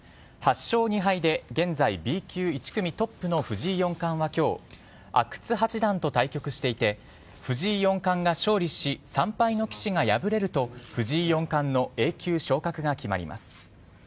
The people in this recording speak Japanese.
８勝２敗で現在Ｂ級１組トップの藤井四冠は今日阿久津八段と対局していて藤井四冠が勝利し３敗の棋士が敗れると藤井四冠のＡ級昇級が決まります。